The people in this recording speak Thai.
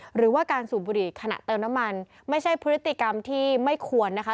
หรือว่าการสูบบุหรี่ขณะเติมน้ำมันไม่ใช่พฤติกรรมที่ไม่ควรนะคะ